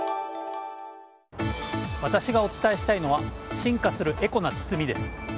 私がお伝えしたいのは進化するエコな包みです。